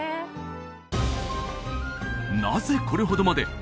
なぜこれほどまで